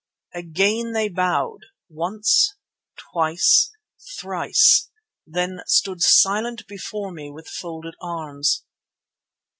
Again they bowed, once, twice, thrice; then stood silent before me with folded arms.